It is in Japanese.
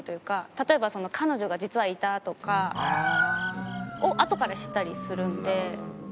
例えば彼女が実はいたとかをあとから知ったりするので。